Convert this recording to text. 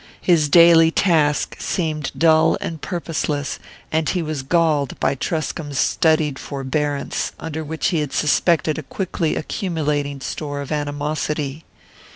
His daily task seemed dull and purposeless, and he was galled by Truscomb's studied forbearance, under which he suspected a quickly accumulating store of animosity.